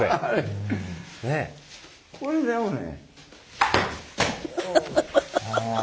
これでもね。